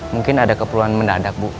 mungkin ada keperluan mendadak bu